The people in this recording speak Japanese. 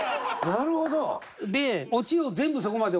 なるほど。